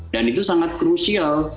dan itu sangat krusial